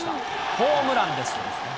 ホームランです。